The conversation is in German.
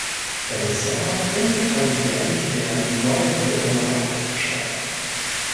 Im Sommer findet alljährlich der "Neuenburger Markt" statt.